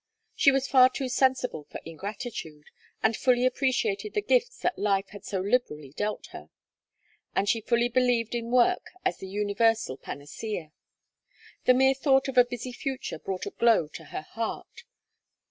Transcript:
She was far too sensible for ingratitude, and fully appreciated the gifts that life had so liberally dealt her. And she fully believed in work as the universal panacea. The mere thought of a busy future brought a glow to her heart.